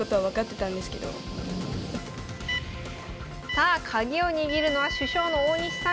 さあ鍵を握るのは主将の大西さん。